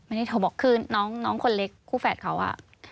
อันนี้โทรบอกคือน้องคนเล็กคู่แฝดเขาอะ